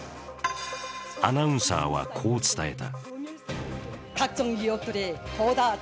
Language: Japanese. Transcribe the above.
アナウンサーは、こう伝えた。